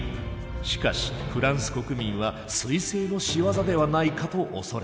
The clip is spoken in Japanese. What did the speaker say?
しかしフランス国民は彗星の仕業ではないかと恐れた。